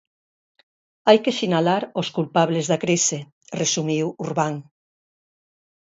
Hai que sinalar os culpables da crise, resumiu Urbán.